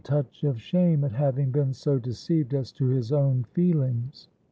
^ 229 touch of shame at having been so deceived as to his own feelings.